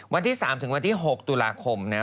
วันที่๓ถึงวันที่๖ตุลาคมนะ